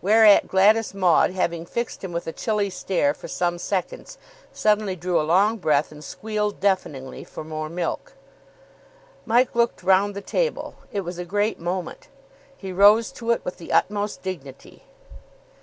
Whereat Gladys Maud, having fixed him with a chilly stare for some seconds, suddenly drew a long breath, and squealed deafeningly for more milk. Mike looked round the table. It was a great moment. He rose to it with the utmost dignity.